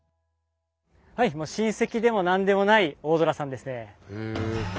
はい親戚でも何でもない大空さんですね。